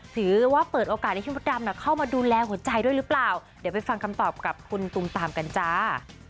ถือว่าเปิดโอกาสให้พี่มดดำเข้ามาดูแลหัวใจด้วยหรือเปล่าเดี๋ยวไปฟังคำตอบกับคุณตุมตามกันจ้า